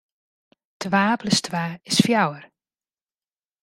Twa plus twa is fjouwer.